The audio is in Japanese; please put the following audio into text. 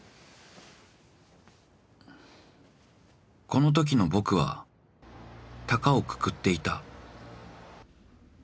［このときの僕は高をくくっていた］